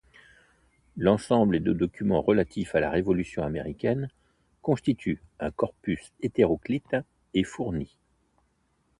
L'ensemble des documents relatifs à la révolution américaine constitue un corpus hétéroclite et fourni.